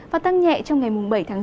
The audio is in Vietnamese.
và tăng nhẹ trong ngày mùng bảy tháng sáu